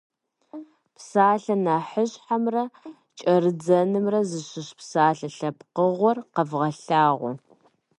Псалъэ нэхъыщхьэмрэ кӏэрыдзэнымрэ зыщыщ псалъэ лъэпкъыгъуэр къэвгъэлъагъуэ.